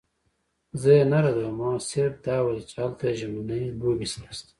زه یې نه ردوم، ما صرف دا ویل چې هلته ژمنۍ لوبې نشته.